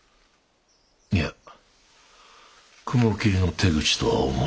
いや雲霧の手口とは思えぬ。